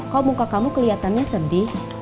kok muka kamu keliatannya sedih